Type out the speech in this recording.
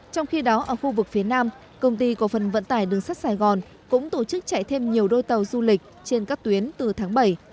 trong khi đó ở khu vực phía nam công ty cổ phần vận tải đường sắt sài gòn cũng tổ chức chạy thêm nhiều đôi tàu du lịch trên các tuyến từ tháng bảy